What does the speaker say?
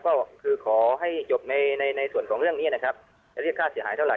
ก็คือขอให้จบในในส่วนของเรื่องนี้นะครับจะเรียกค่าเสียหายเท่าไ